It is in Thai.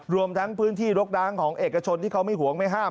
รวมทั้งพื้นที่รกร้างของเอกชนที่เขาไม่ห่วงไม่ห้าม